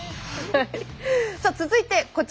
さあ続いてこちらです。